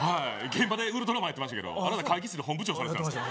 現場でウルトラマンやってましたけどあなた会議室で本部長されてました